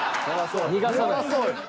逃がさない。